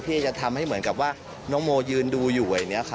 ที่จะทำให้เหมือนกับว่าน้องโมยืนดูอยู่อย่างนี้ค่ะ